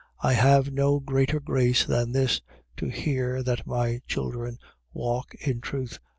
1:4. I have no greater grace than this, to hear that my children walk in truth.